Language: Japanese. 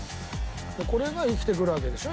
これが生きてくるわけでしょ？